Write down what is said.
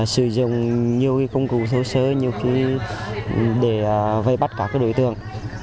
sử dụng nhiều công cụ xấu xới để vây bắt các đối tượng